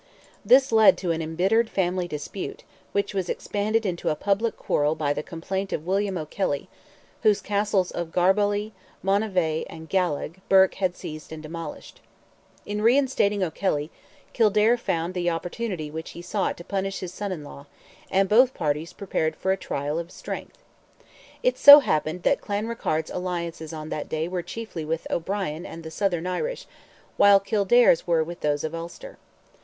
This led to an embittered family dispute, which was expanded into a public quarrel by the complaint of William O'Kelly, whose Castles of Garbally, Monivea, and Gallagh, Burke had seized and demolished. In reinstating O'Kelly, Kildare found the opportunity which he sought to punish his son in law, and both parties prepared for a trial of strength. It so happened that Clanrickarde's alliances at that day were chiefly with O'Brien and the southern Irish, while Kildare's were with those of Ulster.